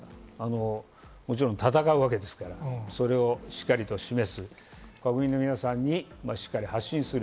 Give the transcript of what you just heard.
もちろん戦うわけですから、それをしっかりと示す、国民の皆さんにしっかり発信する。